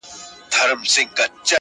ښخ کړﺉ هدیره کي ما د هغو مېړنو تر څنګ,